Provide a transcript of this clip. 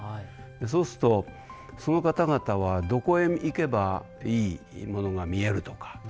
そうするとその方々はどこへ行けばいいものが見えるとか